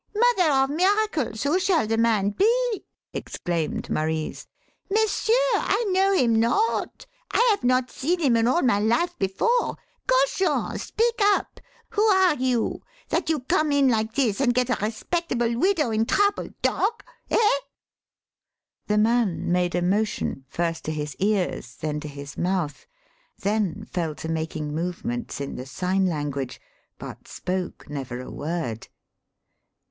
"Mother of Miracles! who shall the man be?" exclaimed Marise. "Messieurs, I know him not. I have not seen him in all my life before. Cochon, speak up! Who are you, that you come in like this and get a respectable widow in trouble, dog? Eh?" The man made a motion first to his ears, then to his mouth, then fell to making movements in the sign language, but spoke never a word.